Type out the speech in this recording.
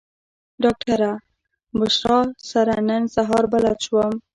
ډاکټره بشرا سره نن سهار بلد شوم.